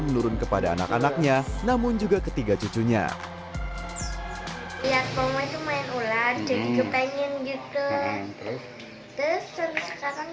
menurun kepada anak anaknya namun juga ketiga cucunya ya kalau itu main ular jadi kepengen gitu terus kadang